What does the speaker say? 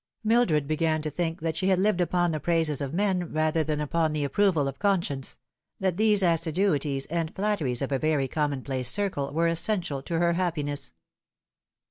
Mildred began to think that she had lived upon the praises of men rather than upon the approval of conscience that these assiduities and flatteries of a very commonplace circle were essential to her happiness.